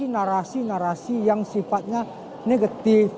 narasi narasi yang sifatnya negatif